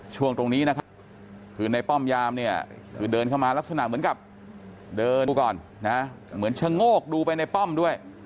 ช่วงตรงนี้นะครับคือในป้อมยามเนี่ยคือเดินเข้ามาลักษณะเหมือนกับเดินดูก่อนนะเหมือนชะโงกดูไปในป้อมด้วย